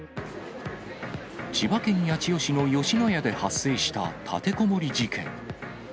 千葉県八千代市の吉野家で発生した立てこもり事件。